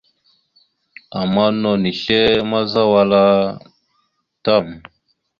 Ama no nislémazza wal a tam.